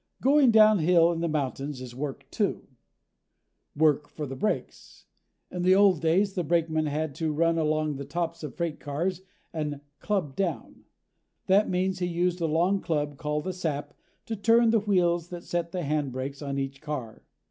Going downhill in the mountains is work, too work for the brakes. In the old days, the brakeman had to run along the tops of freight cars and "club down." That means he used a long club called a sap, to turn the wheels that set the hand brakes on each car.